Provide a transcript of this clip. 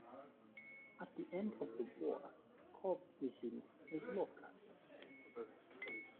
At the end of the war Cobb resumed his law practice.